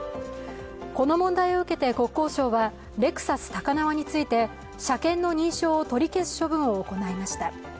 この問題を受けて国交省は、レクサス高輪について車検の認証を取り消す処分を行いました。